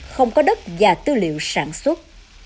không có đất và tư liệu sản xuất